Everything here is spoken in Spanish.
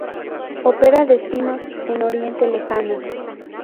Opera destinos en Oriente Lejano.